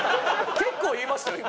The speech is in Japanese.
結構言いましたよ今。